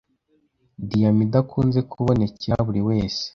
diyama idakunze kubonekera buri wese.